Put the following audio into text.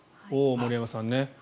森山さんね。